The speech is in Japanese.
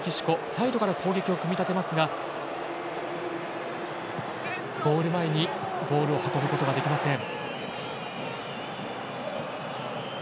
サイドから攻撃を組み立てますがゴール前にボールを運ぶことができません。